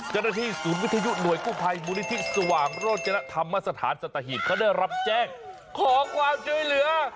เจ้าหน้าที่ศูนย์วิทยุหน่วยกู้ภัยมูลนิธิสว่างโรจนธรรมสถานสัตหีบเขาได้รับแจ้งขอความช่วยเหลือ